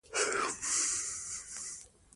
باید په ټول بدن کې وګرځي.